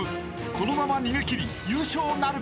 ［このまま逃げ切り優勝なるか？］